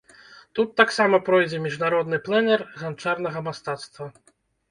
Тут таксама пройдзе міжнародны плэнэр ганчарнага мастацтва.